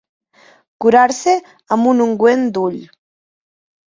Curar-se amb ungüent d'ull.